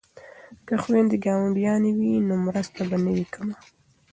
که خویندې ګاونډیانې وي نو مرسته به نه وي کمه.